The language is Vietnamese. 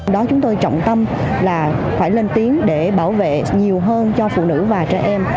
đó chúng tôi trọng tâm là phải lên tiếng để bảo vệ nhiều hơn cho phụ nữ và trẻ em